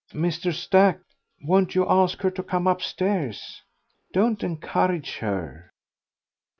"Mr. Stack, won't you ask her to come upstairs?... Don't encourage her."